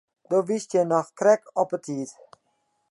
Do wiest hjir noch krekt op 'e tiid.